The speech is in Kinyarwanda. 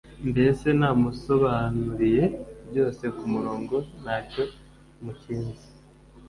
mbese namusobanuriye byose ku murongo ntacyo mukinze